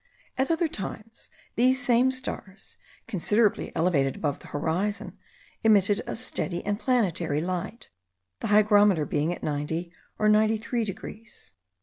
At other times, these same stars, considerably elevated above the horizon, emitted a steady and planetary light, the hygrometer being at 90 or 93 degrees.